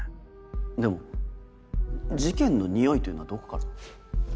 でも事件のニオイというのはどこから？